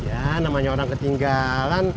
ya namanya orang ketinggalan